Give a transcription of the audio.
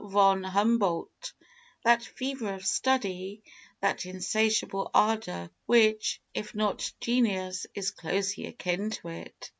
von Humboldt, that "fever of study," that insatiable ardour, which, if not genius, is closely akin to it.